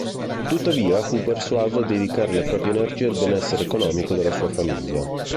Tuttavia fu persuaso a dedicare le proprie energie al benessere economico della sua famiglia.